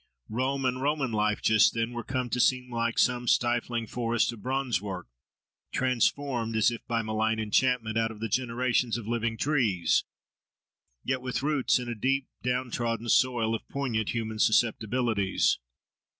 Rome and Roman life, just then, were come to seem like some stifling forest of bronze work, transformed, as if by malign enchantment, out of the generations of living trees, yet with roots in a deep, down trodden soil of poignant human susceptibilities.